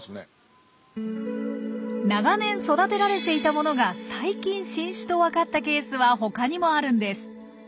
長年育てられていたものが最近新種と分かったケースは他にもあるんです。